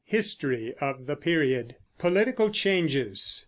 HISTORY OF THE PERIOD POLITICAL CHANGES.